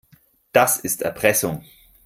Das ist Erpressung.